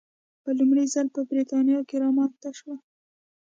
په لومړي ځل په برېټانیا کې رامنځته شول.